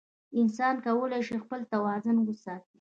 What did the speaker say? انسان کولی شي خپل توازن وساتي.